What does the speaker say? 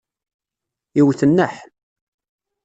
Iwet nneḥ.